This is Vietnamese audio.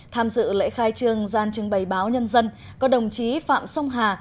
tham dự lễ khai trương gian trưng bày báo nhân dân có đồng chí phạm sông hà